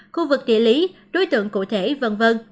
khu vực địa lý đối tượng cụ thể v v